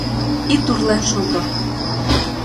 Ит урлен шого!